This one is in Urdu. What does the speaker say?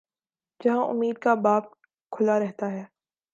جہاں امید کا باب کھلا رہتا ہے۔